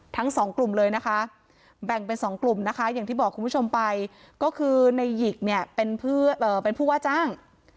ทั้งสองกลุ่มเลยนะคะแบ่งเป็น๒กลุ่มนะคะอย่างที่บอกคุณผู้ชมไปก็คือในหยิกเนี่ยเป็นผู้ว่าจ้าง